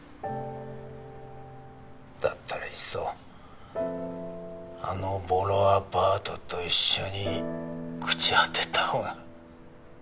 だったらいっそあのボロアパートと一緒に朽ち果てたほうが。